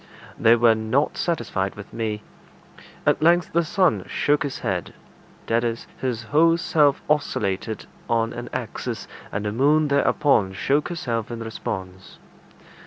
They were not satisfied with me. At length the sun shook his head; that is, his whole self oscillated on an axis, and the moon thereupon shook herself in response.